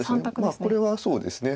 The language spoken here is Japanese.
これはそうですね。